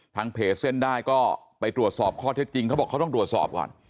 เพจเส้นได้ก็ไปตรวจสอบข้อเท็จจริงเขาบอกเขาต้องตรวจสอบก่อน